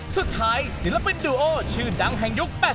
สุดท้ายศิลปินดูโอชื่อดังแห่งยุค๘๐